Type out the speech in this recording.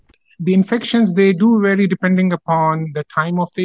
penyakitnya sangat bergantung pada waktu tahun